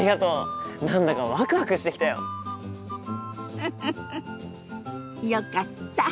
フフフよかった。